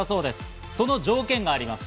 それには条件があります。